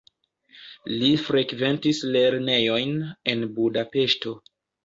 Li frekventis lernejojn en Budapeŝto.